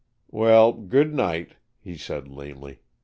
"Well, good night," he said lamely.